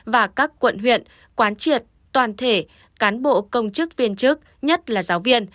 và các quận huyện quán triệt toàn thể cán bộ công chức viên chức nhất là giáo viên